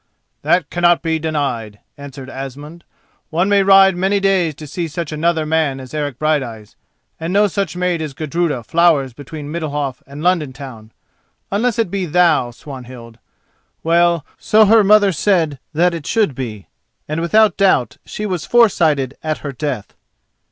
"That cannot be denied," answered Asmund. "One may ride many days to see such another man as Eric Brighteyes, and no such maid as Gudruda flowers between Middalhof and London town, unless it be thou, Swanhild. Well, so her mother said that it should be, and without doubt she was foresighted at her death."